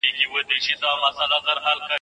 د دلارام سیند د دغې سیمي مځکي خړوبوي.